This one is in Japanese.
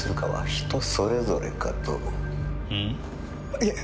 いえ